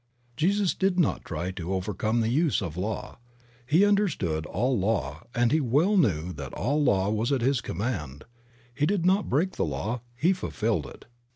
Jesus did not try to over come the use of law; He understood all law and He well knew that all law was at His command; He did not break the law, He fulfilled it.